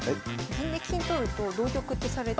銀で金取ると同玉ってされて。